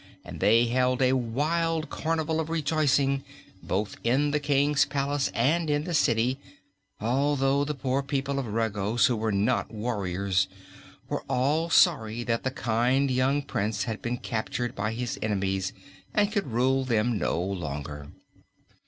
And they held a wild carnival of rejoicing, both in the King's palace and in the city, although the poor people of Regos who were not warriors were all sorry that the kind young Prince had been captured by his enemies and could rule them no longer.